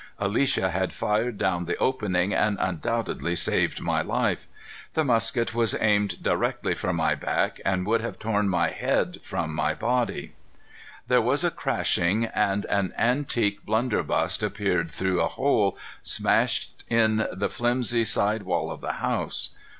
Alicia had fired down the opening and undoubtedly saved my life. The musket was aimed directly for my back, and would have torn my head from my body. There was a crashing, and an antique blunderbuss appeared through a hole smashed in the flimsy side wall of the house.